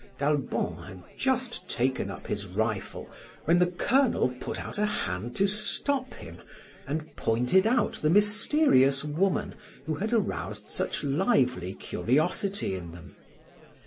D'Albon had just taken up his rifle when the Colonel put out a hand to stop him, and pointed out the mysterious woman who had aroused such lively curiosity in them.